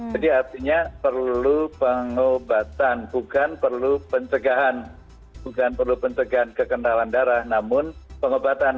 jadi artinya perlu pengobatan bukan perlu pencegahan bukan perlu pencegahan kekentalan darah namun pengobatan